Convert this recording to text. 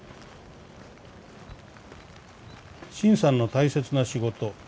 「沈さんの大切な仕事。